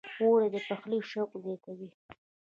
اوړه د پخلي شوق زیاتوي